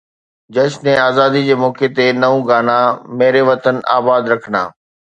جشن آزادي جي موقعي تي نئون گانا ميري وطن آباد رخانه